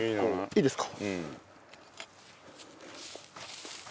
いいですか？